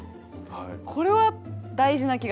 これは大事な気がします。